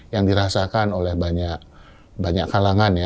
yang dirasakan oleh banyak kalangan ya